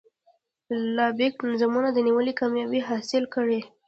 لاییک نظامونه دنیوي کامیابۍ حاصلې کړي.